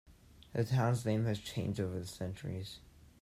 The town's name has changed over the centuries.